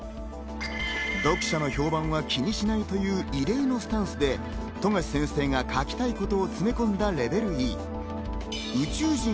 読者の評判は気にしないという異例のスタンスで冨樫先生が描きたいことを詰め込んだ『レベルＥ』。